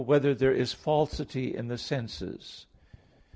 2] Whether There Is Falsity in the Senses?